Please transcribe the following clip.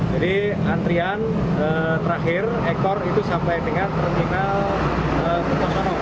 jadi antrian terakhir ekor itu sampai dengan terminal ketosono